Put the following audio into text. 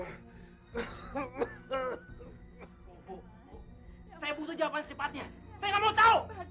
saya gak mau tahu